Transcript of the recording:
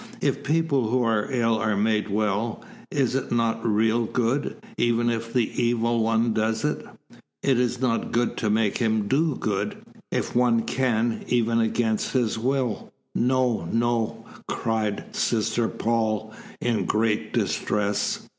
"If people who are ill are made well, is it not a real good, even if the Evil One does it? Is it not good to make him do good, if one can, even against his will?" "No, no!" cried Sister Paul, in great distress.